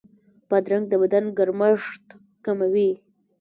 بادرنګ د بدن ګرمښت کموي.